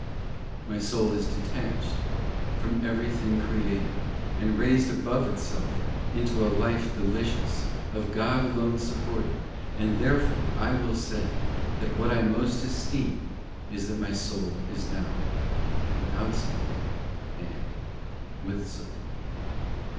i My soul is detached From every thing created, And raised above itself Into a life delicious, Of God alone supported. And therefore I will say, That what I most esteem Is that my soul is now Without support, and with support.